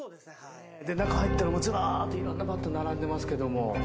中に入ったらずらっと色んなバットが並んでいますけども。